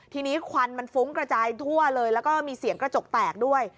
ทีนี้ควันมันฟุ้งกระจายทั่วเลยแล้วก็มีเสียงกระจกแตกด้วย